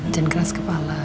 jangan keras kepala ya